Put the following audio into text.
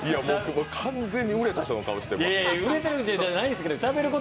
完全に売れた顔していますね。